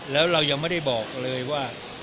แล้วเรายังไม่ได้บอกเลยว่า